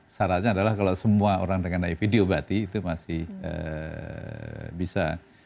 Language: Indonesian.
syaratnya adalah kalau semua orang dengan hiv diobati itu masih bisa